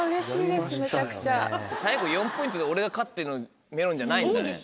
最後４ポイントで俺が勝ってのメロンじゃないんだね。